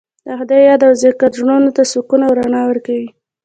د خدای یاد او ذکر زړونو ته سکون او رڼا ورکوي.